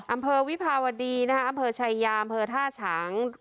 อำเภอวิภาวดีนะฮะอำเภอชายามเภอท่าฉาง